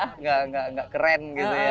tidak keren gitu ya